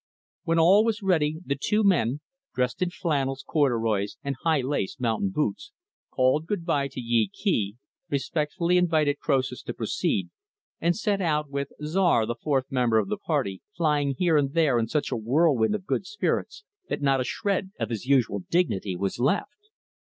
When all was ready, the two men dressed in flannels, corduroys, and high laced, mountain boots called good by to Yee Kee, respectfully invited Croesus to proceed, and set out with Czar, the fourth member of the party, flying here and there in such a whirlwind of good spirits that not a shred of his usual dignity was left.